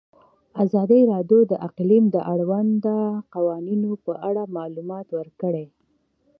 ازادي راډیو د اقلیم د اړونده قوانینو په اړه معلومات ورکړي.